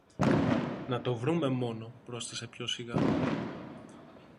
Να το βρούμε μόνο, πρόσθεσε πιο σιγά.